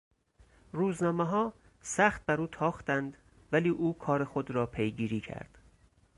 روزنامهها سخت بر او تاختند ولی او کار خود را پیگیری کرد.